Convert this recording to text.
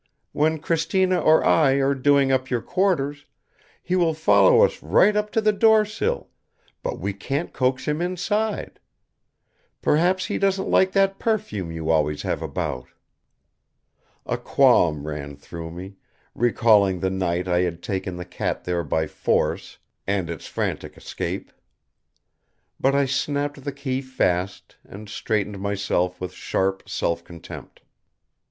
When Cristina or I are doing up your quarters, he will follow us right up to the door sill, but we can't coax him inside. Perhaps he doesn't like that perfume you always have about." A qualm ran through me, recalling the night I had taken the cat there by force and its frantic escape. But I snapped the key fast and straightened myself with sharp self contempt.